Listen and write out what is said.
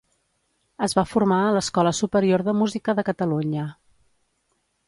Es va formar a l'Escola Superior de Música de Catalunya.